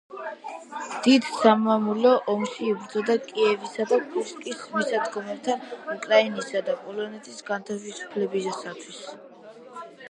დიდ სამამულო ომში იბრძოდა კიევისა და კურსკის მისადგომებთან, უკრაინისა და პოლონეთის განთავისუფლებისათვის.